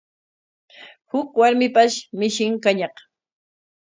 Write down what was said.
Huk warmipash mishin kañaq.